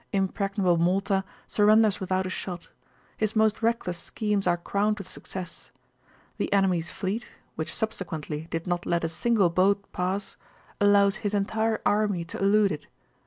Impregnable Malta surrenders without a shot; his most reckless schemes are crowned with success. The enemy's fleet, which subsequently did not let a single boat pass, allows his entire army to elude it.